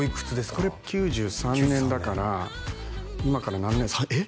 これ９３年だから今から何年えっ！？